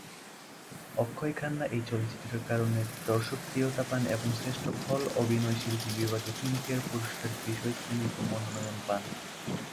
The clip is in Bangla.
অক্ষয় খান্না এই চলচ্চিত্রের কারণে দর্শকপ্রিয়তা পান এবং 'শ্রেষ্ঠ খল অভিনয়শিল্পী বিভাগে ফিল্মফেয়ার পুরস্কার' বিষয়শ্রেণীতে মনোনয়ন পান।